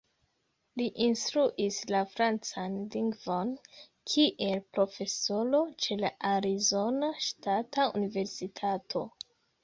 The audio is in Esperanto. Li instruis la francan lingvon kiel profesoro ĉe la Arizona Ŝtata Universitato.